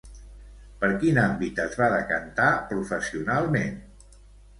Per quin àmbit es va decantar professionalment?